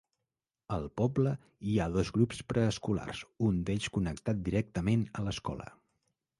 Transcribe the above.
Al poble hi ha dos grups preescolars, un d'ells connectat directament a l'escola.